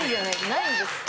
ないんです。